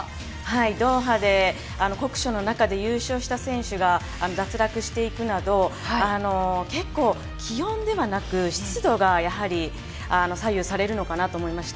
ドーハで酷暑の中で優勝した選手が脱落していくなど、結構、気温ではなく湿度がやはり左右されるのかなと思いました。